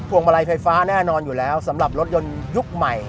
วงมาลัยไฟฟ้าแน่นอนอยู่แล้วสำหรับรถยนต์ยุคใหม่